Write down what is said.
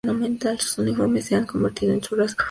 Sus uniformes se han convertido en su rasgo principal.